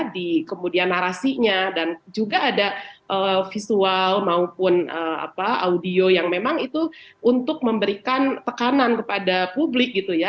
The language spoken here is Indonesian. di kemudian narasinya dan juga ada visual maupun audio yang memang itu untuk memberikan tekanan kepada publik gitu ya